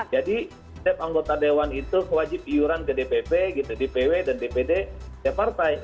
jadi setiap anggota dewan itu wajib iuran ke dpp dpw dan dpd departai